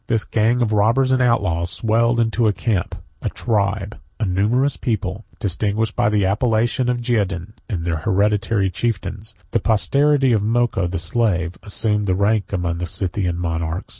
This gang of robbers and outlaws swelled into a camp, a tribe, a numerous people, distinguished by the appellation of Geougen; and their hereditary chieftains, the posterity of Moko the slave, assumed their rank among the Scythian monarchs.